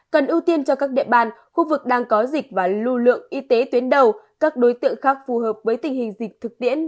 cần ưu tiên cho các địa bàn khu vực đang có dịch và lưu lượng y tế tuyến đầu các đối tượng khác phù hợp với tình hình dịch thực tiễn